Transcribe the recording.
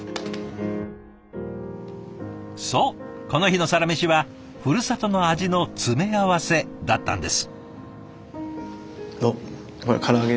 そうこの日のサラメシはふるさとの味の詰め合わせだったんです。